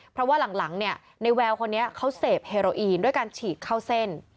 เพราะว่าหลังเนี่ยในแววคนนี้เขาเสพเฮโรอีนด้วยการฉีดเข้าเส้น